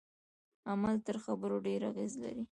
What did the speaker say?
عمل تر خبرو ډیر اغیز لري.